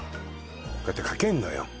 こうやってかけるのよ